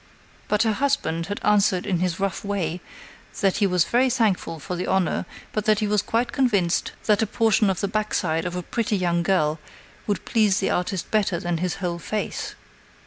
But her husband had answered in his rough way, that he was very thankful for the honor, but that he was quite convinced that a portion of the backside of a pretty young girl would please the artist better than his whole face.